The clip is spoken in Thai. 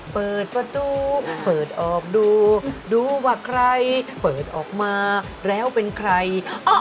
เปิดประตูเปิดออกดูดูว่าใครเปิดออกมาแล้วเป็นใคร